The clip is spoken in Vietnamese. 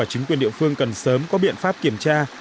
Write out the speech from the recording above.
chính quyền địa phương cần sớm có biện pháp kiểm tra